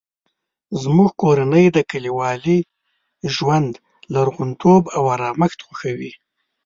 زموږ کورنۍ د کلیوالي ژوند لرغونتوب او ارامښت خوښوي